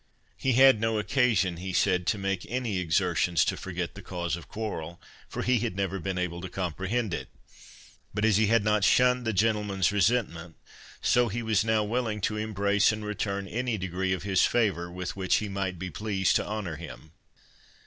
"He had no occasion," he said, "to make any exertions to forget the cause of quarrel, for he had never been able to comprehend it; but as he had not shunned the gentleman's resentment, so he was now willing to embrace and return any degree of his favour, with which he might be pleased to honour him."